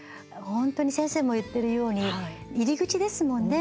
本当に先生も言っているように入り口ですものね。